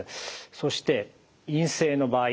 そして陰性の場合